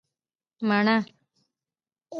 🍏 مڼه